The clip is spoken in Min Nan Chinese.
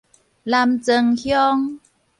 南庄鄉